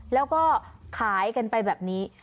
แล้วก็ขายกันไปแบบนี้